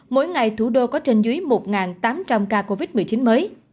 mỗi ngày thủ đô có trên dưới một tám trăm linh ca covid một mươi chín mới